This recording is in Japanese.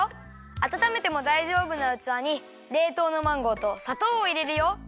あたためてもだいじょうぶなうつわにれいとうのマンゴーとさとうをいれるよ。